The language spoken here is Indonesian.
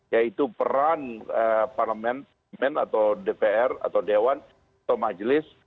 yaitu peran parlemen atau dpr atau dewan atau majelis